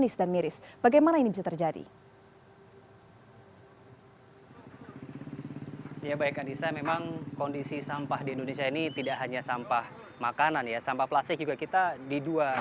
sampah plastik juga kita di dua